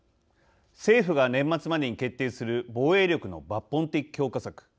政府が年末までに決定する防衛力の抜本的強化策。